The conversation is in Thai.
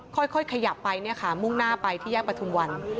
ค่อยขยับไปเนี่ยค่ะมุ่งหน้าไปที่แยกประทุมวัน